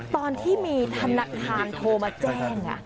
ตอนที่มีธนาคารโทรมาแจ้ง